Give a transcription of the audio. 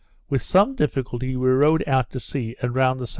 With some difficulty we rowed out to sea, and round the S.W.